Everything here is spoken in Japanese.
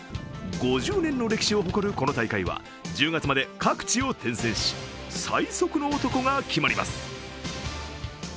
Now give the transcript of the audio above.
５０年の歴史を誇るこの大会は１０月まで各地を転戦し最速の男が決まります。